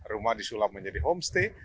rumah disulap menjadi homestay